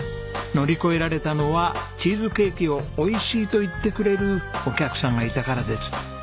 乗り越えられたのはチーズケーキを美味しいと言ってくれるお客さんがいたからです。